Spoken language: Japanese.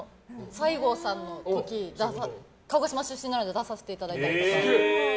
西郷さんの時に鹿児島出身なので出させていただいたりとか。